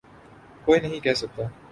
کوئی نہیں کہہ سکتا۔